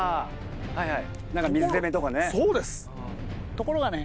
ところがね